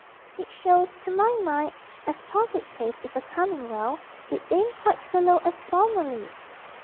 It shows, to my mind, as public taste is a coming round it ain't quite so low as formerly.'